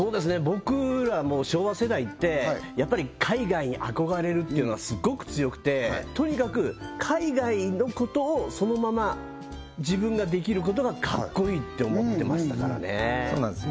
僕らもう昭和世代ってやっぱり海外に憧れるっていうのがすごく強くてとにかく海外のことをそのまま自分ができることがかっこいいって思ってましたからねそうなんです